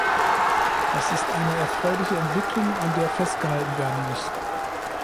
Das ist eine erfreuliche Entwicklung, an der festgehalten werden muss.